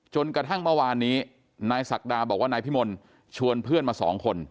จนกระทั่งเมื่อวานนี้นายศักดาบอกว่านายพิมลชวนเพื่อนมาสองคน